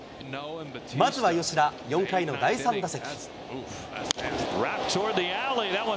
まずは吉田、４回の第３打席。